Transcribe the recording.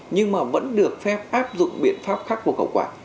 nhưng mà vẫn được phép áp dụng biện pháp khác của cơ quan